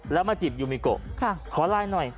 แล้วมาจีบยูมิโกขอไลน์หน่อย